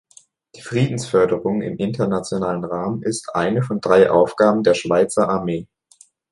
Die Friedensförderung im internationalen Rahmen ist eine von drei Aufgaben der Schweizer Armee.